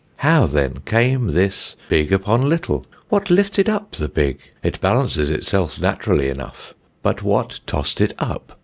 How, then, came this big upon little? What lifted up the big? It balances itself naturally enough; but what tossed it up?